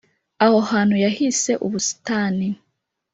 aho hantu yahise ubusitani